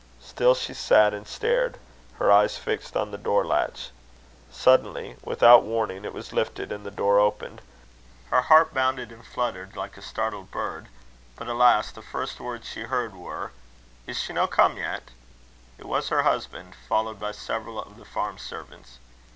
Still she sat and stared, her eyes fixed on the door latch. Suddenly, without warning it was lifted, and the door opened. Her heart bounded and fluttered like a startled bird; but alas! the first words she heard were: "Is she no come yet?" It was her husband, followed by several of the farm servants.